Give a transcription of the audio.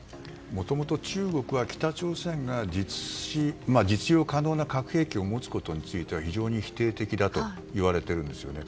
もともと中国は北朝鮮が実用可能な核兵器を持つことについては非常に否定的だといわれているんですよね。